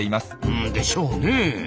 うん。でしょうねえ。